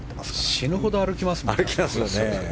死ぬほど歩きますからね。